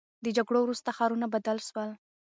د جګړو وروسته ښارونه بدل سول.